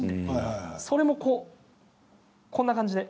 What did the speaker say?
それもこんな感じで。